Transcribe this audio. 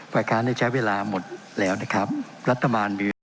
ประคาในแชร์เวลาหมดแล้วนะครับ